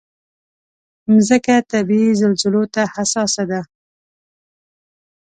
مځکه طبعي زلزلو ته حساسه ده.